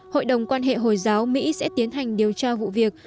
hội đồng quan hệ hồi giáo mỹ sẽ tiến hành điều tra vụ việc